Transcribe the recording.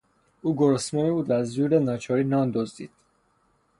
او گرسنه بود و از زور ناچاری نان دزدید.